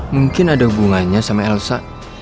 mungkin ada hubungannya sama elsa